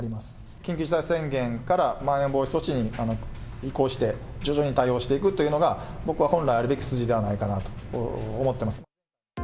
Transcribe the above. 緊急事態宣言からまん延防止措置に移行して、徐々に対応していくっていうのが、僕は本来あるべき筋ではないかと思ってます。